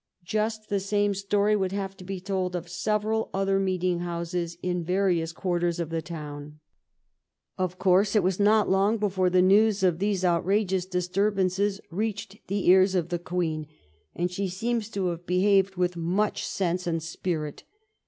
Just the same story would hate to be told of several other meeting houses in various quarters of the town. Of course, it was not long before the news of these outrageous disturbances reached the ears of the Queen, and she seems to have behaved with much sense and spirit.